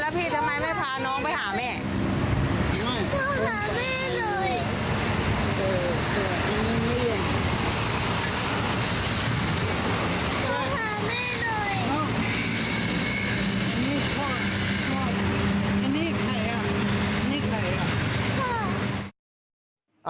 พ่อนี่พ่อพ่ออันนี้ใครอ่ะอันนี้ใครอ่ะ